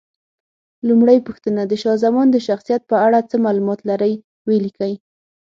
لومړۍ پوښتنه: د شاه زمان د شخصیت په اړه څه معلومات لرئ؟ ویې لیکئ.